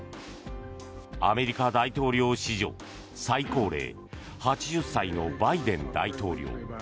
アメリカ大統領史上、最高齢８０歳のバイデン大統領。